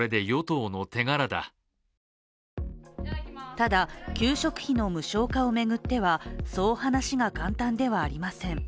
ただ給食費の無償化を巡ってはそう話が簡単ではありません。